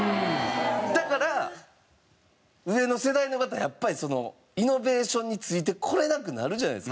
だから上の世代の方はやっぱりイノベーションについてこれなくなるじゃないですか。